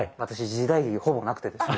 時代劇ほぼなくてですね。